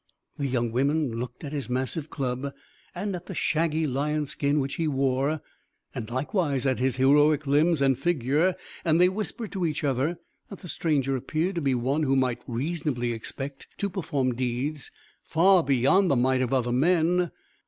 The young women looked at his massive club, and at the shaggy lion's skin which he wore, and likewise at his heroic limbs and figure; and they whispered to each other that the stranger appeared to be one who might reasonably expect to perform deeds far beyond the might of other men.